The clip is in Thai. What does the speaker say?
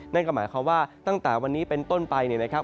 นั่นก็หมายความว่าตั้งแต่วันนี้เป็นต้นไปเนี่ยนะครับ